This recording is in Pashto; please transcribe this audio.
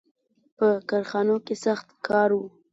• په کارخانو کې سخت کار و.